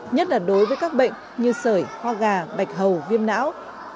nhất là đối với các bệnh như sởi ho gà bạch hầu viêm não